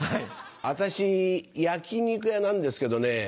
私焼き肉屋なんですけどね